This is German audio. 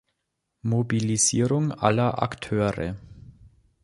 Mobilisierung aller Akteure.